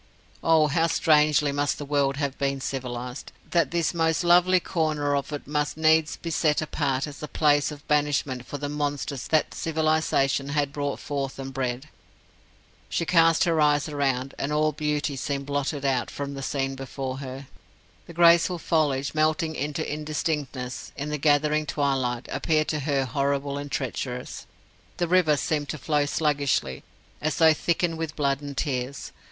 Oh, how strangely must the world have been civilized, that this most lovely corner of it must needs be set apart as a place of banishment for the monsters that civilization had brought forth and bred! She cast her eyes around, and all beauty seemed blotted out from the scene before her. The graceful foliage melting into indistinctness in the gathering twilight, appeared to her horrible and treacherous. The river seemed to flow sluggishly, as though thickened with blood and tears.